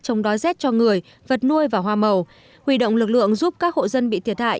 chống đói rét cho người vật nuôi và hoa màu huy động lực lượng giúp các hộ dân bị thiệt hại